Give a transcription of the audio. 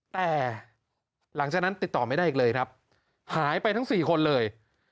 แต่หลังจากนั้นติดต่อไม่ได้อีกเลยครับหายไปทั้ง๔คนเลย